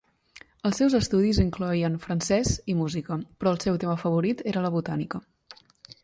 Els seus estudis incloïen francès i música, però el seu tema favorit era la botànica.